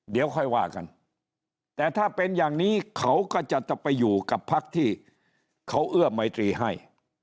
เดี๋ยวค่อยว่ากันแต่ถ้าเป็นอย่างนี้เขาก็จะไปอยู่กับพักที่เขาเอื้อมัยตรีให้